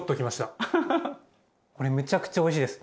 これめちゃくちゃおいしいです。